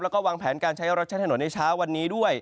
แล้วก็วางแผนการใช้รถใช้ถนนในเช้าวันนี้ด้วย